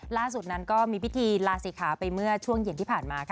ล่าสุดนั้นก็มีพิธีลาศิขาไปเมื่อช่วงเย็นที่ผ่านมาค่ะ